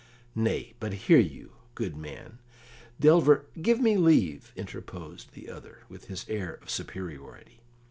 "Nay, but hear you, good man delver " "Give me leave," interposed the other, with his air of superiority.